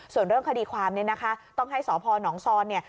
ส่วนเรื่องคดีความเนี่ยนะคะต้องให้สพนซอนเนี่ย